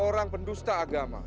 kupuk orang pendusta agama